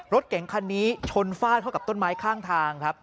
รถเก๋งคันนี้ชนฟาดเข้ากับต้นไม้ข้างทางครับ